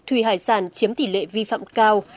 thùy hải sản chiếm tỷ lệ vi phạm cao